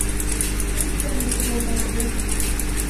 Кушко ынде колтат гын?..